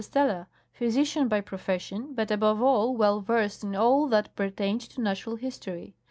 Steller, physician by profession, but above all well versed in all that pertained to natural history.